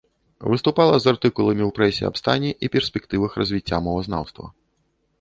Выступала з артыкуламі ў прэсе аб стане і перспектывах развіцця мовазнаўства.